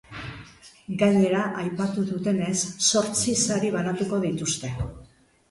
Gainera, aipatu dutenez, zortzi sari banatuko dituzte.